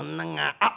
あっ！